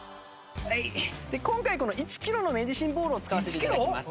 今回この１キロのメディシンボールを使わせて頂きます。